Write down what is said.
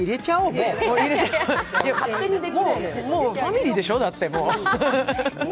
もう、もうファミリーでしょ、だって。